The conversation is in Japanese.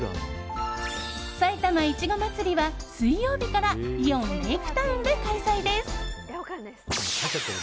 埼玉いちごまつりは水曜日からイオンレイクタウンで開催です。